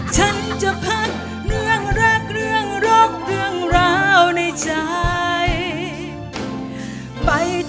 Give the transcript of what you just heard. ฉันจะพักเรื่องรักเรื่องรักเรื่องราวในใจ